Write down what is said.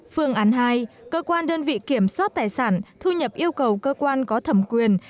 phương án hai cơ quan đơn vị kiểm soát tài sản thu nhập yêu cầu cơ quan có thẩm quyền